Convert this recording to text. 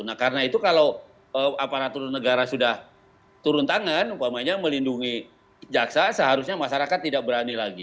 nah karena itu kalau aparatur negara sudah turun tangan umpamanya melindungi jaksa seharusnya masyarakat tidak berani lagi